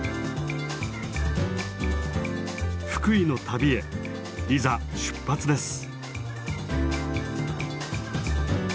福井の旅へいざ出発です。